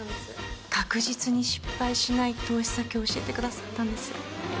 確実に失敗しない投資先を教えてくださったんです。